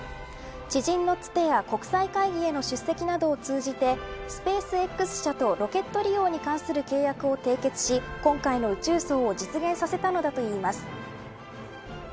知人のつてや、国際会議への出席などを通じてスペースＸ社とロケット利用に関する契約を締結し今回の宇宙葬を実現させたのだといいます。